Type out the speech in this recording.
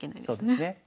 そうですね。